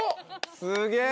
すげえ！